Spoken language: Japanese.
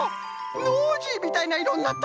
ノージーみたいないろになった！